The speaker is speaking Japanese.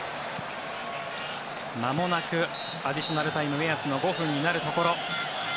まもなくアディショナルタイム目安の５分になるところ。